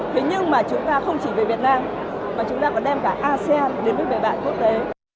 thế nhưng mà chúng ta không chỉ về việt nam mà chúng ta có đem cả asean đến với bạn quốc tế